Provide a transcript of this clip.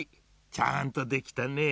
ちゃんとできたね。